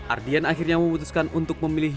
ardian akhirnya memutuskan untuk memilih